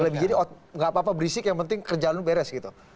lebih jadi oh nggak apa apa berisik yang penting kerjaan lu beres gitu